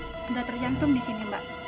sudah terjantung di sini mbak